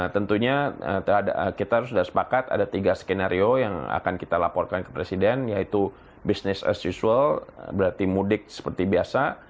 tentunya kita harus sudah sepakat ada tiga skenario yang akan kita laporkan ke presiden yaitu business as usual berarti mudik seperti biasa